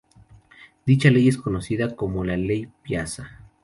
Dicha ley es conocida como "Ley Piazza".